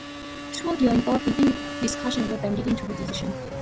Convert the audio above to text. Trudeau involved in any discussions with them leading to the decisions.